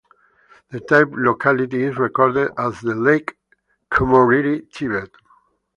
The type locality is recorded as Lake Chomoriri, Tibet.